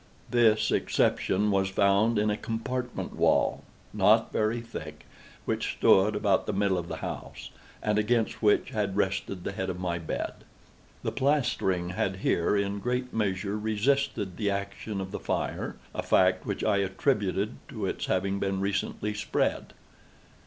This exception was found in a compartment wall, not very thick, which stood about the middle of the house, and against which had rested the head of my bed. The plastering had here, in great measure, resisted the action of the fire—a fact which I attributed to its having been recently spread.